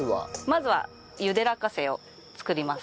まずは茹で落花生を作ります。